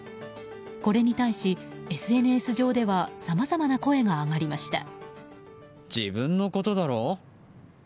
これに対し、ＳＮＳ上ではさまざまな声が上がりました。